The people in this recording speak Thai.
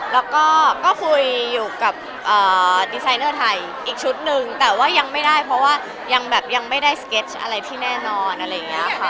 แล้วก็คุยอยู่กับดีไซเนอร์ไทยอีกชุดหนึ่งแต่ว่ายังไม่ได้เพราะว่ายังแบบยังไม่ได้สเก็ตอะไรที่แน่นอนอะไรอย่างนี้ค่ะ